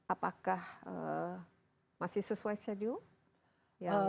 apakah masih sesuai schedule